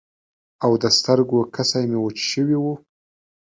او د سترګو کسی مې وچ شوي وو.